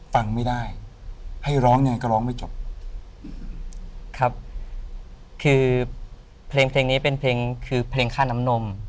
ฟังไม่ได้ให้ร้องยังไงก็ร้องไม่จบครับคือเพลงเพลงนี้เป็นเพลงคือเพลงค่าน้ำนม